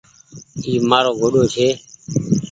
اي مآرو گوڏو ڇي۔